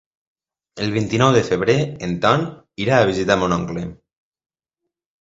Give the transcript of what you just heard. El vint-i-nou de febrer en Ton irà a visitar mon oncle.